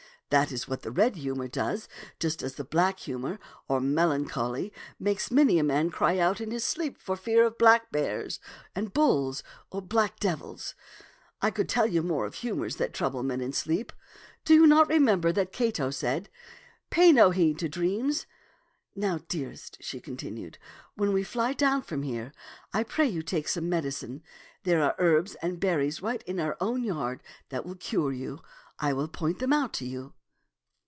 That is what the red humor does, just as the black humor, or melancholy, makes many a man cry out in his sleep for fear of black bears and bulls or black devils. I could tell of more humors that trouble men in sleep. Do you not remember that Cato said, *Pay no heed to dreams'? Now, dearest," she continued, " when we fly down from here, I pray you take some medicine. There are herbs and berries right in our own yard that will cure you. I will point them out to you."